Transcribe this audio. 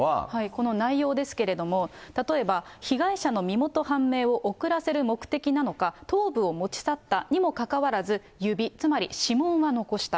この内容ですけれども、例えば被害者の身元判明を遅らせる目的なのか、頭部を持ち去ったにもかかわらず、指、つまり指紋は残した。